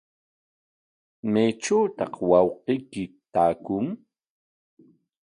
¿Maytrawtaq wawqiyki taakun?